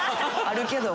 あるけど。